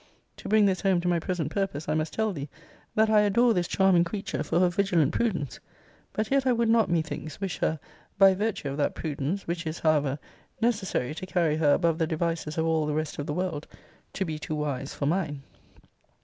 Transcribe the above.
To bring this home to my present purpose, I must tell thee, that I adore this charming creature for her vigilant prudence; but yet I would not, methinks, wish her, by virtue of that prudence, which is, however, necessary to carry her above the devices of all the rest of the world, to be too wise for mine.